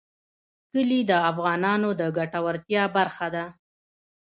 کلي د افغانانو د ګټورتیا برخه ده.